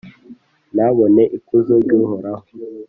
ntabone ikuzo ry’Uhoraho.